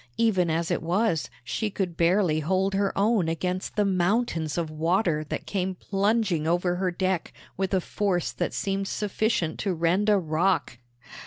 Even as it was, she could barely hold her own against the mountains of water that came plunging over her deck with a force that seemed sufficient to rend a rock.